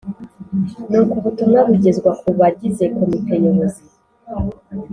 Nuko ubutumwa bugezwa ku bagize Komite Nyobozi